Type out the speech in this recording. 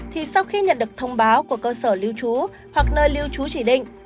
thì sau khi nhận được thông báo của cơ sở lưu trú hoặc nơi lưu trú chỉ định